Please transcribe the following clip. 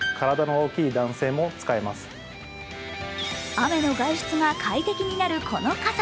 雨の外出が快適になるこの傘。